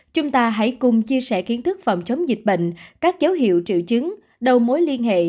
chúng ta hãy cùng chia sẻ kiến thức phòng chống dịch bệnh các dấu hiệu triệu chứng đầu mối liên hệ